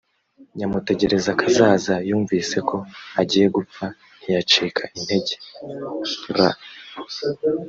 nyamutegerakazaza yumvise ko agiye gupfa ntiyacika integer.